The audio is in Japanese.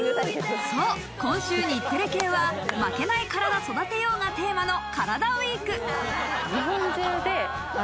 今週、日テレ系は「負けないカラダ、育てよう」がテーマのカラダＷＥＥＫ。